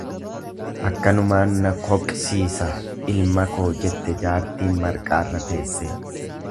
Akkanumaan na koqsiisa ilma koo jette jaartiin marqaarra teessee.